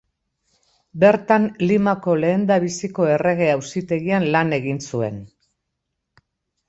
Bertan Limako lehendabiziko Errege-Auzitegian lan egin zuen.